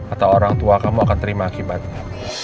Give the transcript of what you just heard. atau orang tua kamu akan terima akibatnya